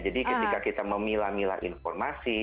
jadi ketika kita memila mila informasi